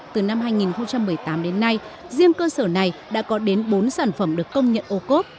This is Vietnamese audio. từ năm hai nghìn một mươi tám đến nay riêng cơ sở này đã có đến bốn sản phẩm được công nhận ô cốp